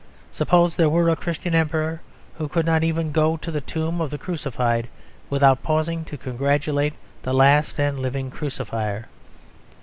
Suppose there were a Christian Emperor who could not even go to the tomb of the Crucified, without pausing to congratulate the last and living crucifier.